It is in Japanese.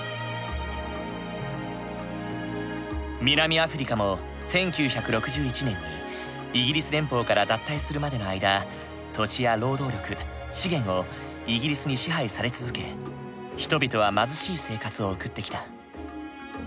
南アフリカも１９６１年にイギリス連邦から脱退するまでの間土地や労働力資源をイギリスに支配され続け人々は貧しい生活を送ってきた。